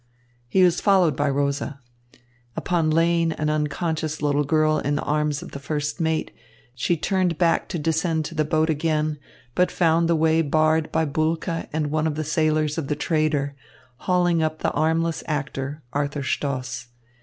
He was followed by Rosa. Upon laying an unconscious little girl in the arms of the first mate, she turned back to descend to the boat again, but found the way barred by Bulke and one of the sailors of the trader, hauling up the armless actor, Arthur Stoss.